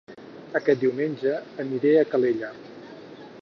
Aquest diumenge aniré a Calella